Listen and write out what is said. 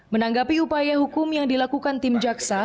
menanggapi upaya hukum yang dilakukan tim jaksa